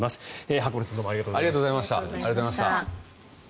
白村さんどうもありがとうございました。